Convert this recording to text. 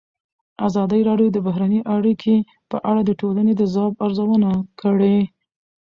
ازادي راډیو د بهرنۍ اړیکې په اړه د ټولنې د ځواب ارزونه کړې.